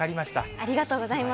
ありがとうございます。